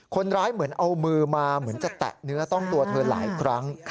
เหมือนเอามือมาเหมือนจะแตะเนื้อต้องตัวเธอหลายครั้ง